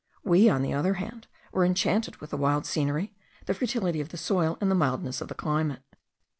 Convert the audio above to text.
We, on the other hand, were enchanted with the wild scenery, the fertility of the soil, and the mildness of the climate.